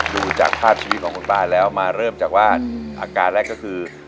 ดูจากภาพชีวิตของคุณป้าแล้วมาเริ่มจากว่าอาการแรกก็คือ